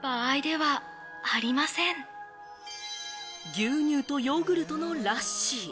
牛乳とヨーグルトのラッシー。